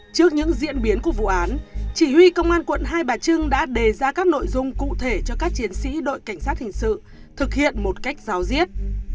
trước những diễn biến của vụ án chỉ huy công an quận hai bà trưng đã đề ra các nội dung cụ thể cho các chiến sĩ đội cảnh sát hình sự thực hiện một cách giáo diết